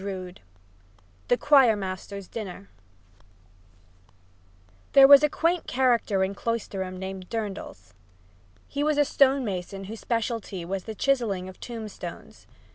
III THE CHOIR MASTER'S DINNER There was a quaint character in Cloisterham named Durdles. He was a stone mason whose specialty was the chiseling of tombstones.